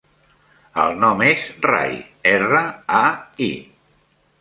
El nom és Rai: erra, a, i.